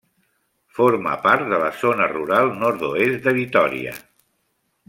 Forma part de la Zona Rural Nord-oest de Vitòria.